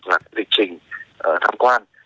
và việc trình tham quan